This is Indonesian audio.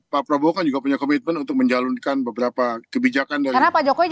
pak prabowo kan juga punya komitmen untuk menjalankan beberapa kebijakan dari pak jokowi